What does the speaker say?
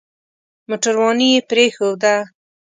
موټرواني يې پرېښوده.